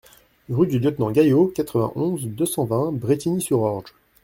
Rue du Lieutenant Gayot, quatre-vingt-onze, deux cent vingt Brétigny-sur-Orge